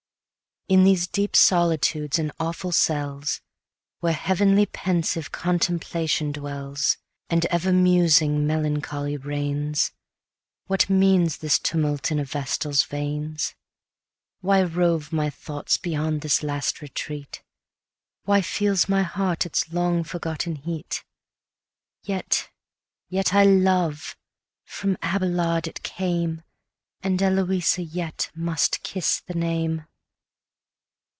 In these deep solitudes and awful cells, Where heavenly pensive Contemplation dwells, And ever musing Melancholy reigns, What means this tumult in a vestal's veins? Why rove my thoughts beyond this last retreat? Why feels my heart its long forgotten heat? Yet, yet I love! From Abelard it came, And Eloisa yet must kiss the name.